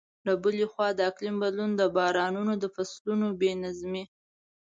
له بلې خوا، د اقلیم بدلون د بارانونو د فصلونو بې نظمۍ.